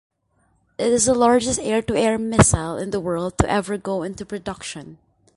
It is the largest air-to-air missile in the world to ever go into production.